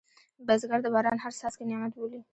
بزګر د باران هر څاڅکی نعمت بولي